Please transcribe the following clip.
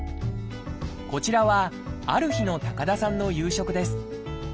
こちらはある日の高田さんの夕食です。